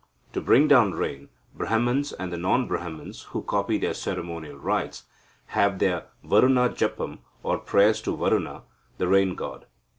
To bring down rain, Brahmans, and those non Brahmans who copy their ceremonial rites, have their Varuna japam, or prayers to Varuna, the rain god.